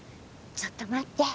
ちょっと待って。